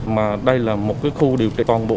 mà đây là một khu điều trị toàn bộ